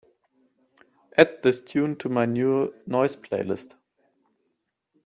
add this tune to my New Noise playlist